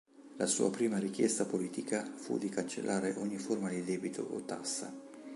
La sua prima richiesta politica fu di cancellare ogni forma di debito o tassa.